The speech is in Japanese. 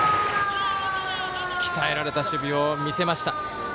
鍛えられた守備を見せました。